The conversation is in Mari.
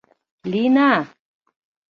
— Лина!